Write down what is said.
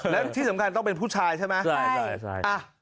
และที่สำคัญต้องเป็นผู้ชายใช่ไหมใช่